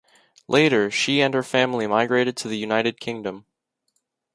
Later she and her family migrated to the United Kingdom.